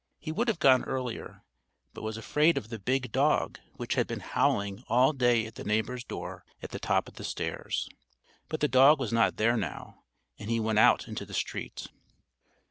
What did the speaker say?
He would have gone earlier, but was afraid of the big dog which had been howling all day at the neighbour's door at the top of the stairs. But the dog was not there now, and he went out into the street.